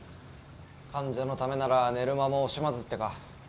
患者のためなら寝る間も惜しまずってか。